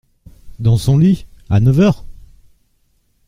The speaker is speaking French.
Dans son lit ! à neuf heures !